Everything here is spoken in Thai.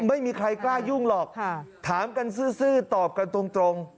ไม่มีใครกล้ายุ่งหรอกถามกันซื่อตอบกันตรง